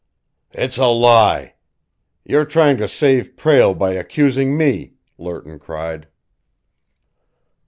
"It's a lie! You are trying to save Prale by accusing me!" Lerton cried.